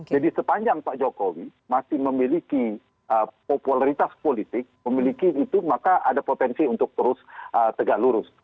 jadi sepanjang pak jokowi masih memiliki popularitas politik memiliki itu maka ada potensi untuk terus tegak lurus